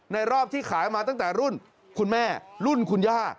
รอบที่ขายมาตั้งแต่รุ่นคุณแม่รุ่นคุณย่า